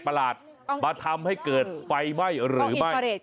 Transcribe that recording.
มาทำให้เกิดไฟไหว้หรือไม่กล้องอินฟาเรด